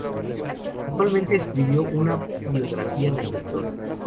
Igualmente escribió una biografía del Dr.